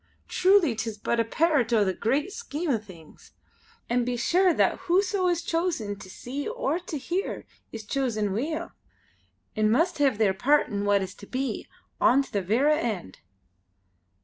Truly 'tis but a pairt o' the great scheme o' things; an' be sure that whoso is chosen to see or to hear is chosen weel, an' must hae their pairt in what is to be, on to the verra end."